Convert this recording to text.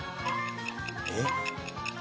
えっ？